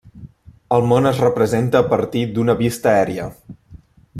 El món es representa a partir d'una vista aèria.